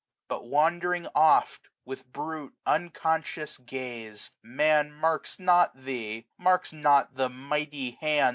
But wandering oft, with brute unconscious gaze, Man marks not Thee; marks not the mighty hand.